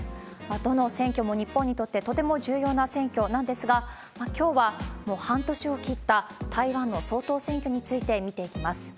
どの選挙も日本にとって、とても重要な選挙なんですが、きょうは、もう半年を切った台湾の総統選挙について見ていきます。